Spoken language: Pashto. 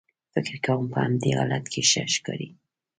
فکر کوم په همدې حالت کې ښه ښکارې.